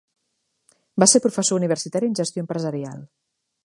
Va ser professor universitari en gestió empresarial.